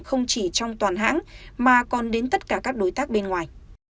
không chỉ trong toàn hãng mà còn đến tất cả các đối tác bên ngoài